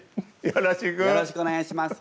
よろしくお願いします。